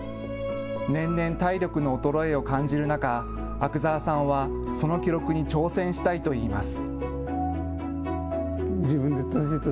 年々体力の衰えを感じる中、阿久澤さんはその記録に挑戦したいといいます。